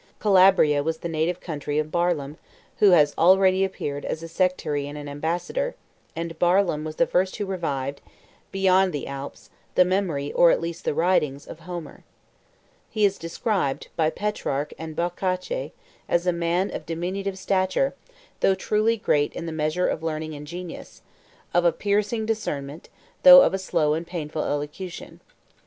Calabria was the native country of Barlaam, who has already appeared as a sectary and an ambassador; and Barlaam was the first who revived, beyond the Alps, the memory, or at least the writings, of Homer. 87 He is described, by Petrarch and Boccace, 88 as a man of diminutive stature, though truly great in the measure of learning and genius; of a piercing discernment, though of a slow and painful elocution.